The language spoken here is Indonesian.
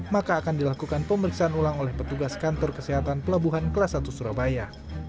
maka akan dilakukan pemeriksaan ulang oleh petugas kantor kesehatan pelabuhan kelas satu surabaya